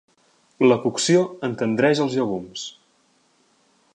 La cocció entendreix els llegums.